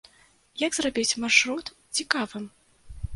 Як зрабіць маршрут цікавым?